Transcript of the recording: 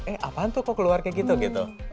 eh apaan tuh kok keluar kayak gitu gitu